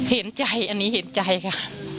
เห็นใจอันนี้เห็นใจค่ะ